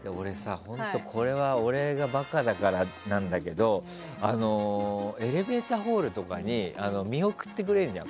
本当にこれは俺がバカだからなんだけどエレベーターホールとかに見送ってくれるじゃん。